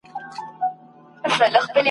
په ځنگله کی به آزاد یې د خپل سر یې ..